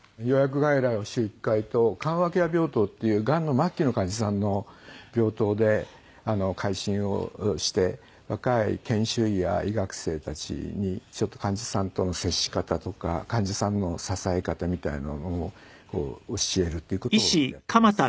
予約外来を週１回と緩和ケア病棟っていうがんの末期の患者さんの病棟で回診をして若い研修医や医学生たちにちょっと患者さんとの接し方とか患者さんの支え方みたいなのを教えるっていう事をやってます。